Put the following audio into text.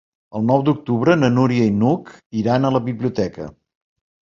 El nou d'octubre na Núria i n'Hug iran a la biblioteca.